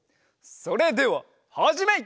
それでははじめい！